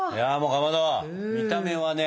かまど見た目はね